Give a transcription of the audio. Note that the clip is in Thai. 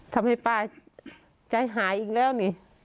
ทำให้ป้าใจหายอีกแล้วนี่